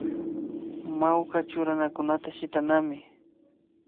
Mawka churanakunataka shitanami